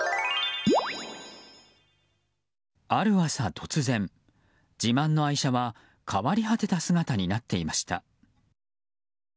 ある朝突然、自慢の愛車は変わり果てた姿になっていました。